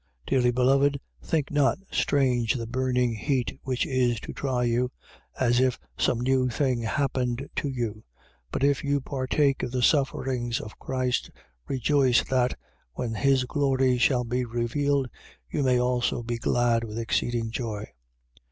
4:12. Dearly beloved, think not strange the burning heat which is to try you: as if some new thing happened to you. 4:13. But if you partake of the sufferings of Christ, rejoice that, when his glory shall be revealed, you may also be glad with exceeding joy.